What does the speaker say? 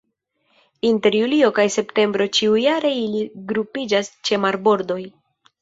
Inter julio kaj septembro ĉiujare ili grupiĝas ĉe marbordoj.